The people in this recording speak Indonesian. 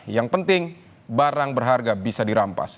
yang penting barang berharga bisa dirampas